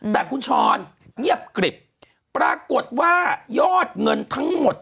แต่คุณช้อนเงียบกริบปรากฏว่ายอดเงินทั้งหมด